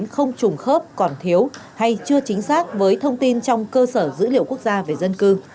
không trùng khớp còn thiếu hay chưa chính xác với thông tin trong cơ sở dữ liệu quốc gia về dân cư